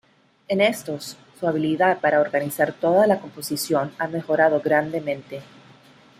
En estos su habilidad para organizar toda la composición ha mejorado grandemente.